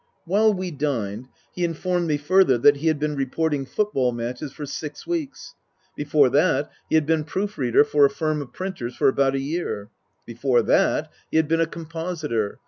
While we dined he informed me further that he had been reporting football matches for six weeks. Before that he had been proof reader for a firm of printers for about a year. Before that he had been a compositor.